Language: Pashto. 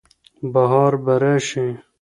بهار به راشي.